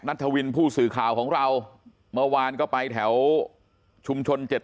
ทวินผู้สื่อข่าวของเราเมื่อวานก็ไปแถวชุมชนเจ็ด